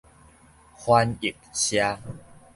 翻譯社